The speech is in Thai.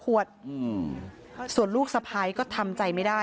พระเจ้าที่อยู่ในเมืองของพระเจ้า